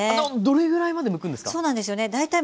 どれぐらいまでむくんですか？